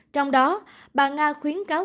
trong đó bà nga khuyến cáo